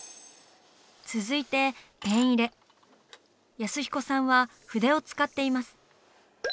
安彦さんは筆を使っています。